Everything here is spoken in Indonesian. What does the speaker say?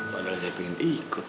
padahal saya pengen ikut